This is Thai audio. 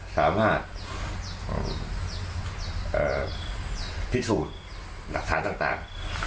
สามารถพิสูจน์หลักฐานต่าง